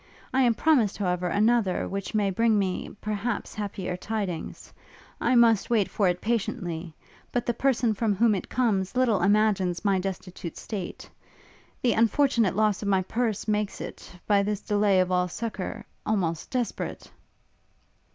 I am promised, however, another, which may bring me, perhaps, happier tidings. I must wait for it patiently; but the person from whom it comes little imagines my destitute state! The unfortunate loss of my purse makes it, by this delay of all succour, almost desperate!'